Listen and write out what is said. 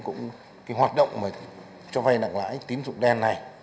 cái hoạt động mà cho vay nặng lãi tín dụng đen này